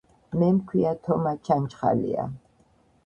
მე მქვია თომა ჩაჩხალია